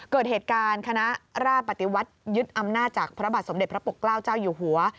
เกิดเหตุการณ์คณะราชปฏิวัติยึดอำนาจจากพระบาทสมเด็จพระปกเกล้าเจ้าอยู่หัว